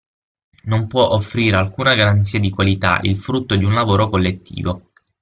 Non può offrire alcuna garanzia di qualità il frutto di un lavoro collettivo.